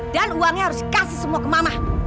dan uangnya harus dikasih semua ke mama